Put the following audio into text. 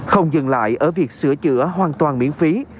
không dừng lại ở việc sửa chữa hoàn toàn miễn phí